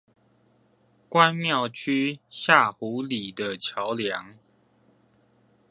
關廟區下湖里的橋梁